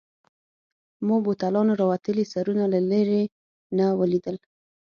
ما بوتلانو راوتلي سرونه له لیري نه ولیدل.